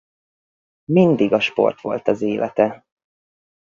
Mindig a sport volt az élete.